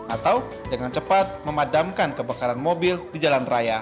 atau dengan cepat memadamkan kebakaran mobil di jalan raya